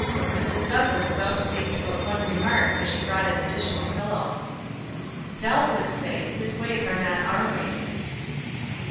Mrs. Douglass vouchsafed but one remark as she brought an additional pillow. "Dell would say, f His ways are not our ways.'"